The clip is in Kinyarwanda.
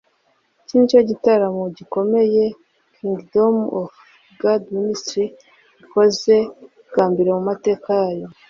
Iki ni cyo gitaramo gikomeye Kingdom of God Ministries ikoze bwa mbere mu mateka yayo